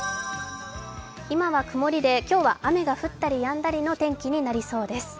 今は曇りで、今日は雨が降ったりやんだりの天気になりそうです。